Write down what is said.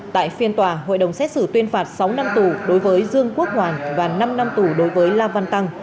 tại phiên tòa hội đồng xét xử tuyên phạt sáu năm tù đối với dương quốc hoàn và năm năm tù đối với la văn tăng